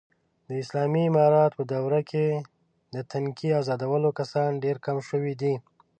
د اسالامي امارت په دوره کې، د تنگې ازادولو کسان ډېر کم شوي دي.